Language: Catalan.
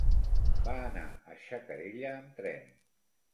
Va anar a Xacarella amb tren.